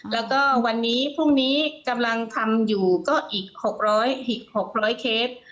แล้วก็วันนี้พรุ่งนี้กำลังทำอยู่ก็อีกหกร้อยหกร้อยเคส